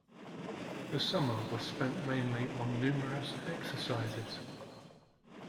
The summer was spent mainly on numerous exercises.